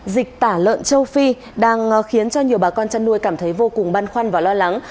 dịch tả lợn châu phi đang khiến cho nhiều bà con chăn nuôi cảm thấy vô cùng băn khoăn và lo lắng